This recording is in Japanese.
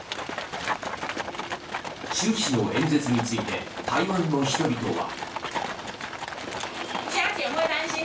習氏の演説について台湾の人々は。